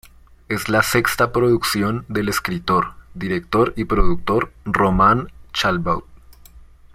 Es la sexta producción del escritor, director y productor Román Chalbaud.